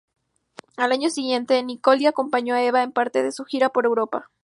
Al año siguiente, Nicolini acompañó a Eva en parte de su gira por Europa.